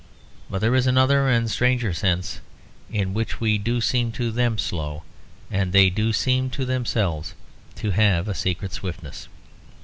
But there is another and stranger sense in which we do seem to them slow, and they do seem to themselves to have a secret of swiftness.